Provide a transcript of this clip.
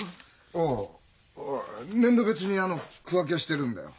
ああ年度別にあの区分けをしてるんだよ。